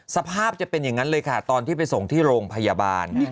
สภาพจะเป็นอย่างนั้นเลยค่ะตอนที่ไปส่งที่โรงพยาบาล